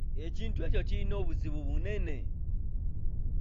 Ekintu ekyo kirina obuzibu bunene.